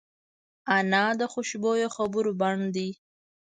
انا د خوشبویه خبرو بڼ دی